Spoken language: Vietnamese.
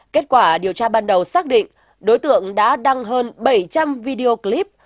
kết quả điều tra ban đầu xác định đối tượng đã đăng hơn bảy trăm linh video clip